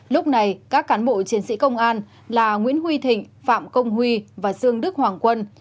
lúc này các cán bộ chiến sĩ công an là nguyễn huy thịnh phạm công huy và dương đức hoàng quân